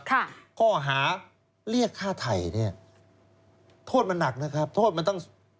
ข้อหาเรียกฆ่าไทยเนี่ยโทษมันหนักนะครับโทษมันต้อง